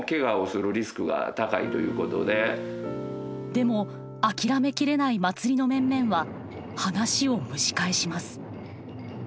でも諦め切れない祭りの面々は話を蒸し返します。